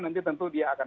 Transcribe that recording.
nanti tentu dia akan